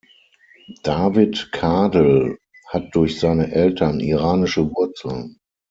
David Kadel hat durch seine Eltern iranische Wurzeln.